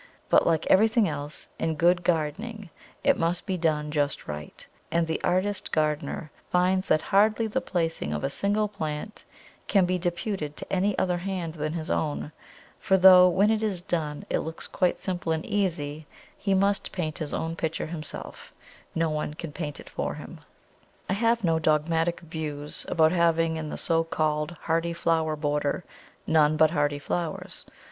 But like everything else, in good gardening it must be done just right, and the artist gardener finds that hardly the placing of a single plant can be deputed to any other hand than his own; for though, when it is done, it looks quite simple and easy, he must paint his own picture himself no one can paint it for him. I have no dogmatic views about having in the so called hardy flower border none but hardy flowers.